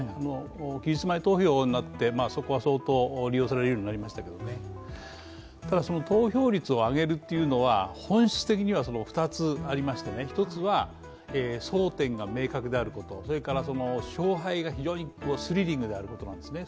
期日前投票になって、そこは相当利用されるようになりましたけどただ、投票率を上げるというのは本質的には２つありまして１つは、争点が明確であること、それから勝敗が非常にスリリングであることなんですね。